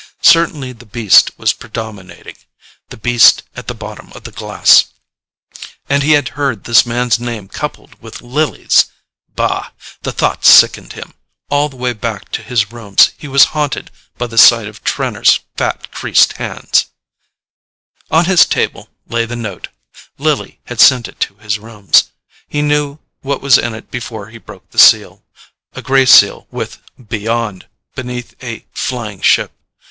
Certainly the beast was predominating—the beast at the bottom of the glass. And he had heard this man's name coupled with Lily's! Bah—the thought sickened him; all the way back to his rooms he was haunted by the sight of Trenor's fat creased hands—— On his table lay the note: Lily had sent it to his rooms. He knew what was in it before he broke the seal—a grey seal with BEYOND! beneath a flying ship.